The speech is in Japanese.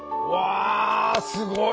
えすごい。